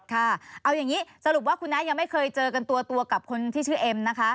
ค่ะเอาอย่างนี้สรุปว่าคุณน้ายังไม่เคยเจอกันตัวกับคนที่ชื่อเอ็มนะคะ